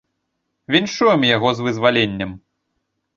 Віншуем яго з вызваленнем.